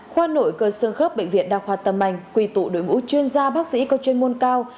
khoa nội cơ sơ khớp bệnh viện đa khoa tâm anh quy tụ đội ngũ chuyên gia bác sĩ có chuyên môn cao